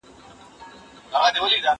زه پرون د ښوونځی لپاره تياری کوم!.